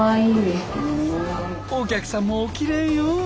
お客さんもおきれいよ。